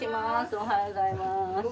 おはようございます。